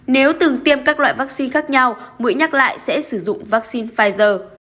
nếu từng tiêm các loại vaccine khác nhau mũi nhắc lại sẽ sử dụng vaccine pfizer